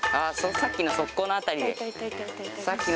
さっきの側溝の辺りで。